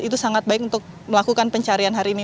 itu sangat baik untuk melakukan pencarian hari ini